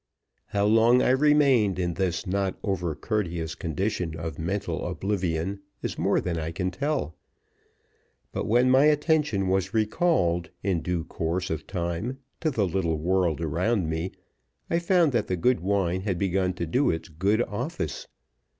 How long I remained in this not over courteous condition of mental oblivion is more than I can tell; but when my attention was recalled, in due course of time, to the little world around me, I found that the good wine had begun to do its good office.